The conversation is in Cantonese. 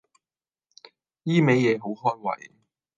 依味野好開胃